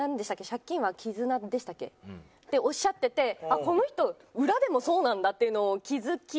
「借金は絆」でしたっけ？っておっしゃっててあっこの人裏でもそうなんだっていうのを気付き